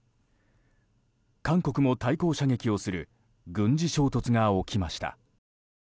韓国も対抗射撃をする軍事衝突が起きました。